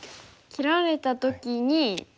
切られた時に２手。